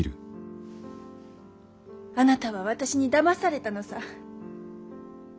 あなたは私にだまされたのさ。